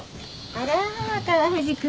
あら川藤君